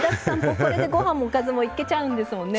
これで、ご飯もおかずもいけちゃうんですもんね。